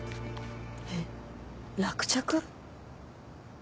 えっ？落着？